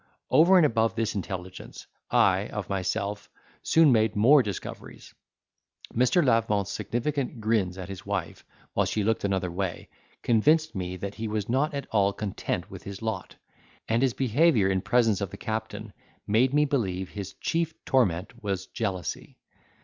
Over and above this intelligence, I, of myself, soon made more discoveries. Mr. Lavement's significant grins at his wife, while she looked another way, convinced me that he was not at all content with his lot; and his behaviour in presence of the captain made me believe his chief torment was jealousy.